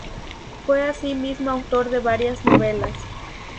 Fue asimismo autor de varias novelas.